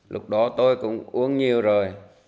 lúc đó tôi cũng uống nhiều rồi